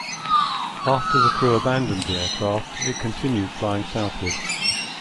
After the crew abandoned the aircraft, it continued flying southward.